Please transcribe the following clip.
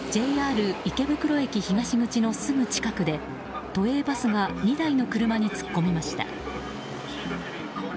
ＪＲ池袋駅東口のすぐ近くで都営バスが２台の車に突っ込みました。